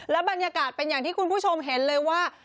บรรยากาศเป็นอย่างที่คุณผู้ชมเห็นเลยว่า